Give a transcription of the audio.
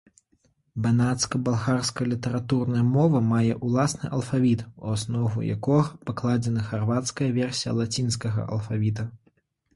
Банацка-балгарская літаратурная мова мае ўласны алфавіт, у аснову якога пакладзены харвацкая версія лацінскага алфавіта.